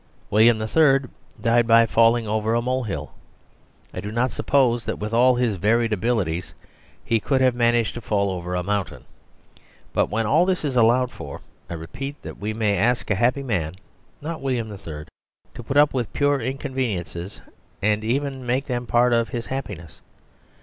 William III. died by falling over a molehill; I do not suppose that with all his varied abilities he could have managed to fall over a mountain. But when all this is allowed for, I repeat that we may ask a happy man (not William III.) to put up with pure inconveniences, and even make them part of his happiness.